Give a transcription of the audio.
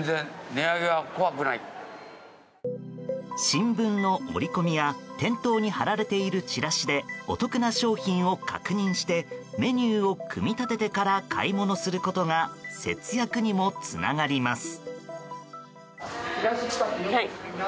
新聞の折り込みや店頭に貼られているチラシでお得な商品を確認してメニューを組み立ててから買い物することが節約にもつながります。